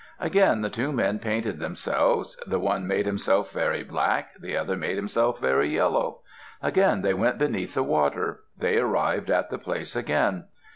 Again the two men painted themselves; the one made himself very black, the other made himself very yellow. Again they went beneath the water. They arrived at the place again.